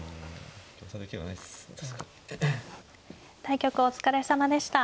対局お疲れさまでした。